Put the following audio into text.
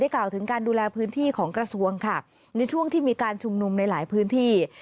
กล่าวถึงการดูแลพื้นที่ของกระทรวงค่ะในช่วงที่มีการชุมนุมในหลายพื้นที่